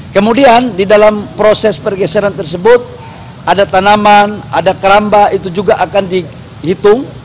kemudian di dalam proses pergeseran tersebut ada tanaman ada keramba itu juga akan dihitung